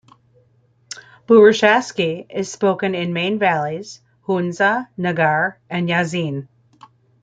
Burushaski is spoken in main valleys: Hunza, Nagar, and Yasin.